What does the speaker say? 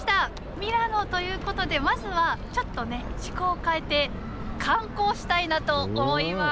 ミラノということでまずはちょっとね趣向を変えて観光したいなと思います。